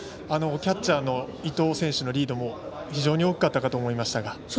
キャッチャーの伊藤選手のリードも非常に大きかったかと思いましたが。